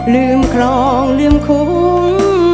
ลืมครองลืมขุม